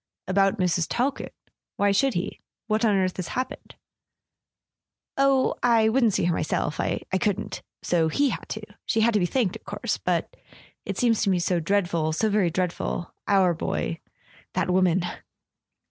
"About Mrs. Talkett? Why should he? Wliat on earth has happened ?" "Oh, I wouldn't see her myself ... I couldn't. ..[ 300 ] A SON AT THE FRONT so he had to. She had to be thanked, of course ... but it seems to me so dreadful, so very dreadful. .. our boy ... that woman.